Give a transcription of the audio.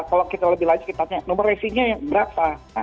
kalau kita lebih lanjut kita tanya nomor resinya yang berapa